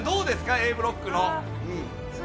Ａブロックの。